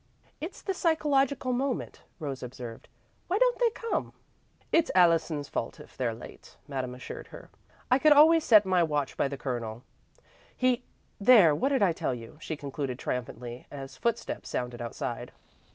"It's the psychological moment," Rose observed. "Why don't they come?" "It's Allison's fault, if they're late," Madame assured her. "I could always set my watch by the Colonel. He there, what did I tell you?" she concluded triumphantly, as footsteps sounded outside.